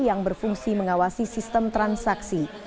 yang berfungsi mengawasi sistem transaksi